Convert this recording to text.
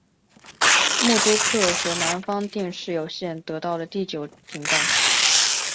默多克和南方电视有线得到了第九频道。